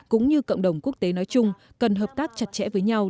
cũng như cộng đồng quốc tế nói chung cần hợp tác chặt chẽ với nhau